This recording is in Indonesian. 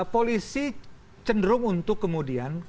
polisi cenderung untuk kemudian